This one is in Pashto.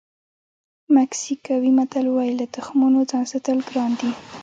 مکسیکوي متل وایي له تخمونو ځان ساتل ګران دي.